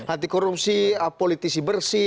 anti korupsi politisi bersih